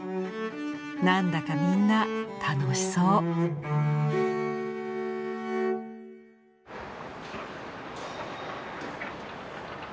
なんだかみんな楽しそう。